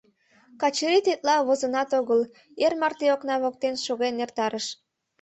Качырий тетла возынат огыл, эр марте окна воктен шоген эртарыш.